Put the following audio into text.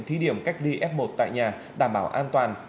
thí điểm cách ly f một tại nhà đảm bảo an toàn